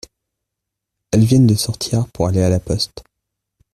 Elles viennent de sortir pour aller à la poste.